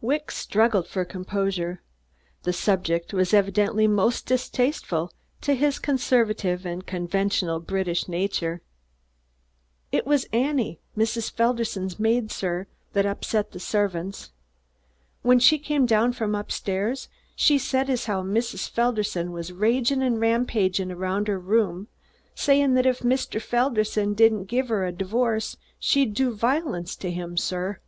Wicks struggled for composure. The subject was evidently most distasteful to his conservative and conventional British nature. "Hit was Annie, Mrs. Felderson's maid, sir, that hupset the servants. W'en she came down from hup stairs, she said as 'ow Mrs. Felderson was a ragin' and a rampagin' around 'er room, sayin' that if Mr. Felderson didn't give 'er a divorce, she would do violence to 'im, sir."